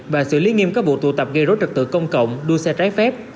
và xử lý nghiêm các vụ tụ tập gây rối trật tự công cộng đua xe trái phép